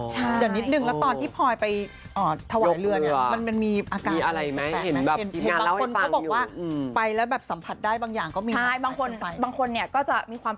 หล่อเดี๋ยวนิดหนึ่งแล้วตอนที่พลอยไปอ่อถวายเรือเนี้ยมันมันมีอาการมีอะไรไหม